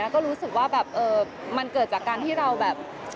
ก็รู้สึกว่าแบบมันเกิดจากการที่เราแบบ